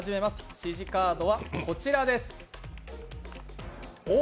指示カードはこちらです。